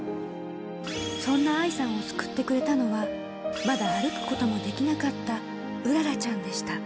そんな愛さんを救ってくれたのは、まだ歩くこともできなかった麗ちゃんでした。